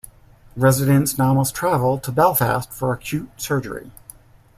Residents now must travel to Belfast for acute surgery.